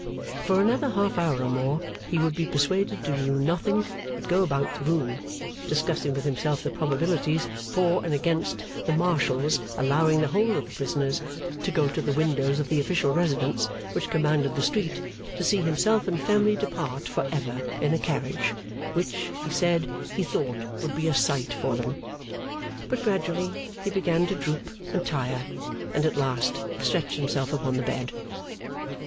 For another half hour or more he would be persuaded to do nothing but go about the room, discussing with himself the probabilities for and against the Marshal's allowing the whole of the prisoners to go to the windows of the official residence which commanded the street, to see himself and family depart for ever in a carriage which, he said, he thought would be a Sight for them. But gradually he began to droop and tire, and at last stretched himself upon the bed.